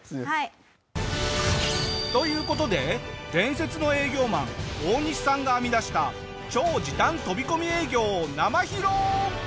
という事で伝説の営業マンオオニシさんが編み出した超時短飛び込み営業を生披露！